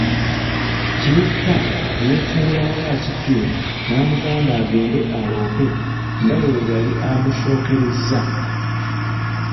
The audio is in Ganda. Kiwutta yefuula ng’atidde namugamba agende aloope ndaba yeeyali amusookerezza.